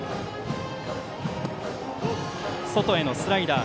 外へのスライダー。